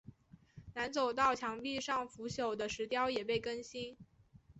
南走道墙壁上腐朽的石雕也被更新。